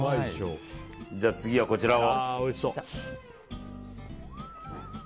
じゃあ、次はこちらを。